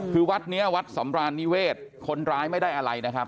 คือวัดนี้วัดสำรานนิเวศคนร้ายไม่ได้อะไรนะครับ